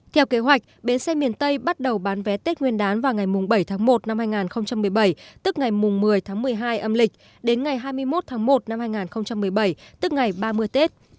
theo kế hoạch bến xe miền tây bắt đầu bán vé tết nguyên đán vào ngày bảy tháng một năm hai nghìn một mươi bảy tức ngày một mươi tháng một mươi hai âm lịch đến ngày hai mươi một tháng một năm hai nghìn một mươi bảy tức ngày ba mươi tết